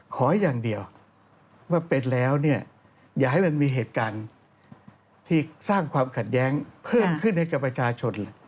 ขออย่างเดียวว่าเป็นแล้วเนี่ยอย่าให้มันมีเหตุการณ์ที่สร้างความขัดแย้งเพิ่มขึ้นให้กับประชาชน